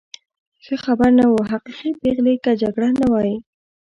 ښه خبر نه و، حقیقي پېغلې، که جګړه نه وای.